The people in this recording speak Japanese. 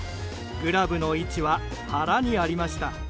グラブの位置は腹にありました。